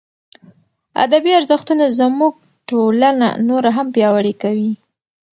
ادبي ارزښتونه زموږ ټولنه نوره هم پیاوړې کوي.